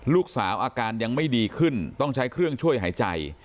อาการยังไม่ดีขึ้นต้องใช้เครื่องช่วยหายใจ